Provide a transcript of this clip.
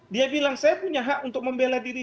dia bilang saya punya hak untuk membela diri